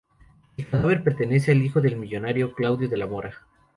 El cadáver pertenece al hijo del millonario Claudio de la Mora.